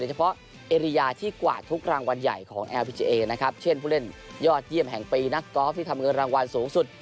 โดยเฉพาะที่กว่าทุกรางวัลใหญ่ของนะครับเช่นผู้เล่นยอดเยี่ยมแห่งปรีนักกอล์ฟที่ทำเงินรางวัลสูงสุด